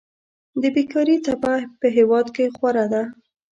د بيکاري څپه په هېواد خوره ده.